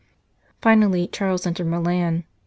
Finally Charles entered Milan.